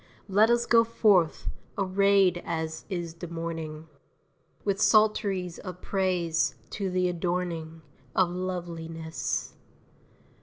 Let us go forth, arrayed as is the morning, With psalteries of praise, to the adorning Of loveliness!